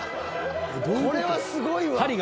［これはすごいわ］